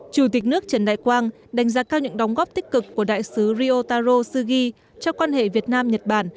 chủ tịch nước trần đại quang đánh giá cao những đóng góp tích cực của đại sứ ryotaro sugi cho quan hệ việt nam nhật bản